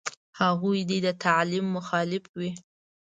هغوی دې د تعلیم مخالف وي.